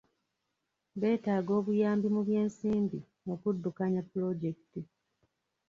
Beetaaga obuyambi mu by'ensimbi okuddukanya pulojekiti.